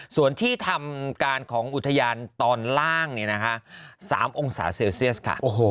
ส่วนที่ทำการของอุทยานตอนล่าง๓องศาเซลเซียสค่ะ